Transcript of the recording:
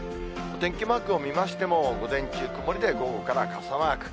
お天気マークを見ましても、午前中、曇りで、午後から傘マーク。